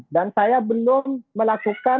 dan saya belum melakukan